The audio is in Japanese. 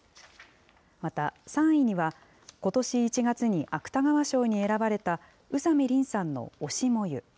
また３位には、ことし１月に芥川賞に選ばれた、宇佐見りんさんの推し、燃ゆ。